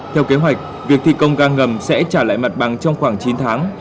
theo kế hoạch việc thi công ga ngầm sẽ trả lại mặt bằng trong khoảng chín tháng